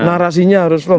narasinya harus firm